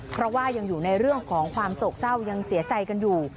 เพราะว่ายังอยู่ในเรื่องของความโศกเศร้ายังเสียใจกันอยู่